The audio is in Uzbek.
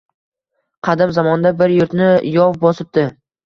Qadim zamonda bir yurtni yov bosibdi.